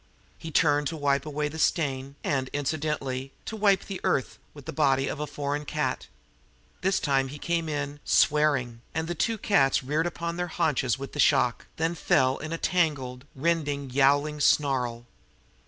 He turned to wipe away the stain, and, incidentally, to wipe the earth with the body of a foreign cat. This time he came in, swearing, and the two cats reared upon their haunches with the shock; then fell in a tangled, rending, yowling snarl.